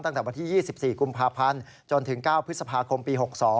ตั้งแต่วันที่๒๔กุมภาพันธ์จนถึง๙พฤษภาคมปี๖๒